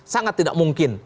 sangat tidak mungkin